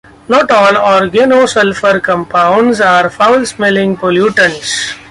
Not all organosulfur compounds are foul-smelling pollutants.